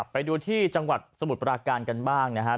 ไปดูที่จังหวัดสมุทรปราการกันบ้างนะครับ